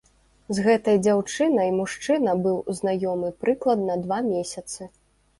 З гэтай дзяўчынай мужчына быў знаёмы прыкладна два месяцы.